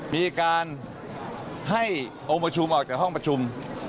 มีการให้องค์ประชุมออกจากห้องประชุม